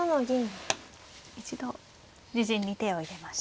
一度自陣に手を入れました。